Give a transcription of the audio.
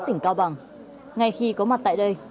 tỉnh cao bằng ngay khi có mặt tại đây